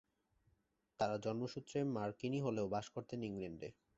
তারা জন্মসূত্রে মার্কিনী হলেও বাস করতেন ইংল্যান্ডে।